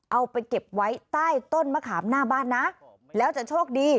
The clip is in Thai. เอาไปเก็บไว้ใต้ต้นมะขามหน้าบ้านนะแล้วจะโชคดี